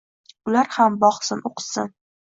Ular ham boqsin, o`qitsin